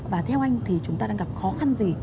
và theo anh thì chúng ta đang gặp khó khăn gì